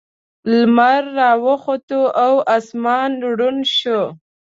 لمر راوخوت او اسمان روڼ شو.